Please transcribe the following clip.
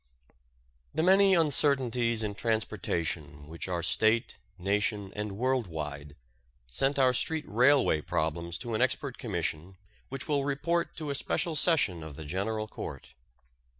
The many uncertainties in transportation which are State, Nation, and world wide, sent our street railway problems to an expert commission which will report to a special session of the General Court.